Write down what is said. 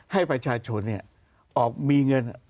ให้ประชาชนเนี่ยออกมีเงิน